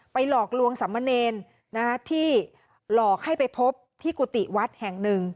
หลอกลวงสามเณรที่หลอกให้ไปพบที่กุฏิวัดแห่งหนึ่ง